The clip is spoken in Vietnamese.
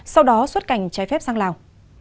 sau đó xuất cảnh trái phép sang lào